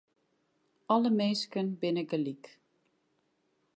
Alle minsken binne gelyk.